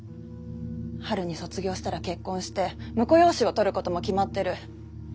春に卒業したら結婚して婿養子をとることも決まってる。